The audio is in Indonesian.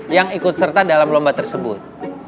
yang ikut serta dalam lomba tersebut